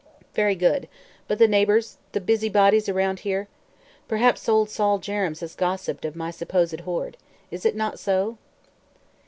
"Very good. But the neighbors the busy bodies around here? Perhaps old Sol Jerrems has gossiped of my supposed hoard. Is it not so?"